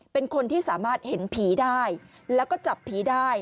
เป็นคนที่สามารถเห็นผีได้แล้วก็จับผีได้